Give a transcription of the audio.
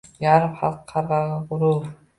Yarim xalq qarg’aru